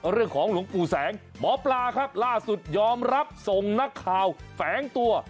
หลวงปู่แสงหมอปลาครับล่าสุดยอมรับส่งนักข่าวแฝงตัว